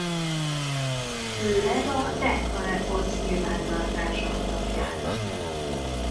Főleg a Decca Records nyilvántartása alapján.